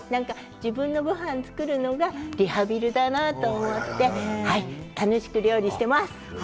自分のごはんを作るのがリハビリだなと思って楽しく料理しています。